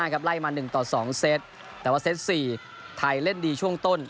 ๒๐๕๕ครับไล่มา๑๒เซตแต่ว่าเซต๔ไทยเล่นดีช่วงต้น